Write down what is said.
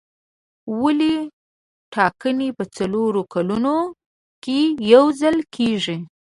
ولې ټاکنې په څلورو کلونو کې یو ځل کېږي.